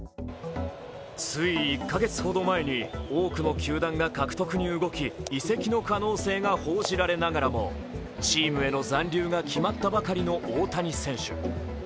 つい１カ月ほど前に多くの球団が獲得に動き、移籍の可能性が報じられながらもチームへの残留が決まったばかりの大谷選手。